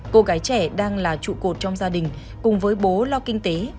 cô gái trẻ đang là trụ cột trong gia đình cùng với bố lo kinh tế